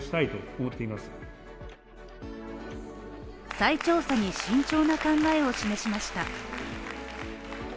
再調査に慎重な考えを示しました。